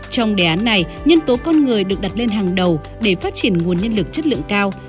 trong đề án này nhân tố con người được đặt lên hàng đầu để phát triển nguồn nhân lực chất lượng cao